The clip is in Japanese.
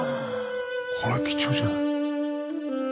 これ貴重じゃない？